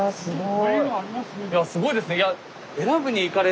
いやすごいですね。